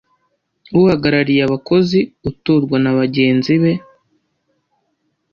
Uhagarariye abakozi utorwa na bagenzi be